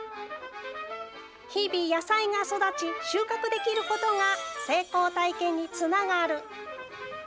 日々、野菜が育ち収穫できることが成功体験につながる。